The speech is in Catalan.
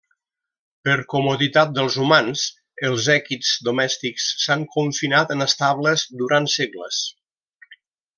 Per comoditat dels humans els èquids domèstics s'han confinat en estables durant segles.